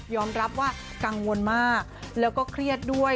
รับว่ากังวลมากแล้วก็เครียดด้วย